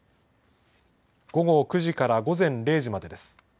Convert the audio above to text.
午後９時から午前０時までです。